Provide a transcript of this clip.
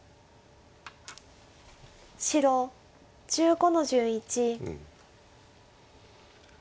白１５の十一。